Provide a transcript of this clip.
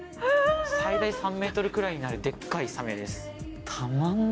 最大３ｍくらいになるデッカいサメです。